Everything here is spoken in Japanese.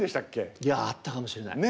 あったかもしれない。